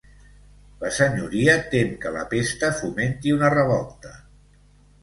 La Senyoria tem que la pesta fomenti una revolta.